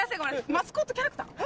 マスコットキャラクター？